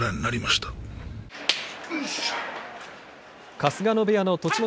春日野部屋の栃ノ